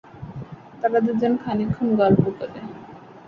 তারা দু জন খানিকক্ষণ গল্প করে।